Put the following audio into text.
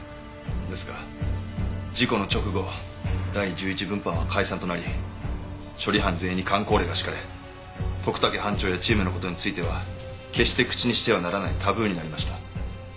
ですが事故の直後第１１分班は解散となり処理班全員に箝口令が敷かれ徳武班長やチームの事については決して口にしてはならないタブーになりました。